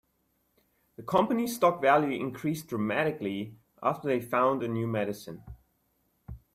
The company's stock value increased dramatically after they found a new medicine.